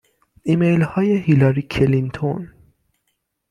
ایمیل های هیلاری کلینتون